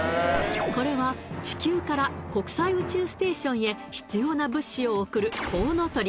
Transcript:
これは地球から国際宇宙ステーションへ必要な物資を送るこうのとり